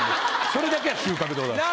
それだけは収穫でございます。